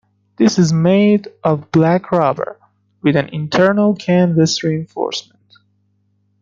This is made of black rubber, with an internal canvas reinforcement.